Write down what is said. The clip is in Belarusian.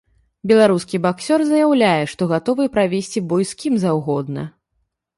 Беларускі баксёр заяўляе, што гатовы правесці бой з кім заўгодна.